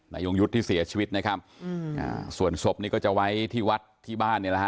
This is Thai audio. นายงยุทธ์ที่เสียชีวิตนะครับอืมอ่าส่วนศพนี้ก็จะไว้ที่วัดที่บ้านเนี่ยแหละฮ